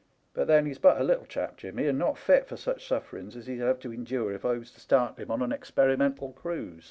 But then he's but a little chap, Jimmy, and not fit for such sufferings as he'd have to endure if I was to start him ou an experimental cruise.